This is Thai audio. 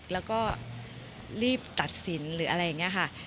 แล้วก็รีบตัดสินหรืออะไรอย่างนี้ค่ะ